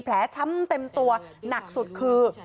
ช้ำเต็มตัวหนักสุดคือ